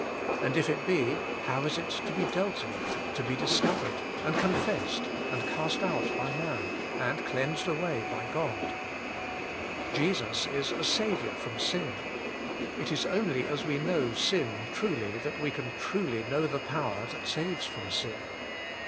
And if it be, how is it to be dealt with, to be discovered, and confessed, and cast out by man, and cleansed away by God ? Jesus is a Saviour from sin. It is only as we know sin truly that we can truly know the power that saves from sin.